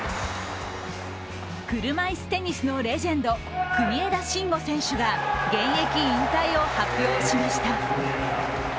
車いすテニスのレジェンド国枝慎吾選手が現役引退を発表しました。